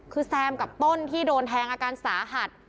คือแซมกับต้นที่โดนแทงอาการสาหัส